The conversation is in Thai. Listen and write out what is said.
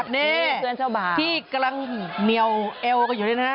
นี่ออกมาครับนี่พี่กำลังเหนียวแอวประอยู่นี่นะฮะ